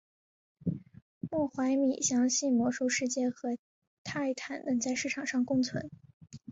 莫怀米相信魔兽世界和泰坦能在市场上共存。